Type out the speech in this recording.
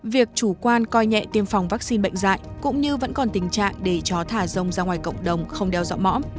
việc chủ quan coi nhẹ tiêm phòng vắc xin bệnh dạy cũng như vẫn còn tình trạng để chó thả rông ra ngoài cộng đồng không đeo dõi mõm